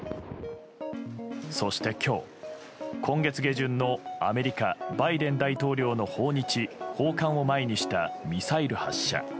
そして今日、今月下旬のアメリカバイデン大統領の訪日・訪韓を前にしたミサイル発射。